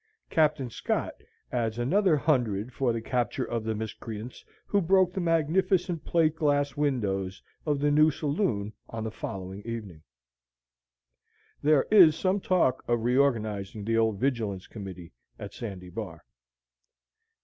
Captain Scott adds another hundred for the capture of the miscreants who broke the magnificent plate glass windows of the new saloon on the following evening. There is some talk of reorganizing the old Vigilance Committee at Sandy Bar."